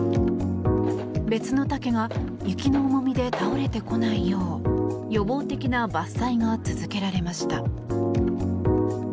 別の竹が雪の重みで倒れてこないよう予防的な伐採が続けられました。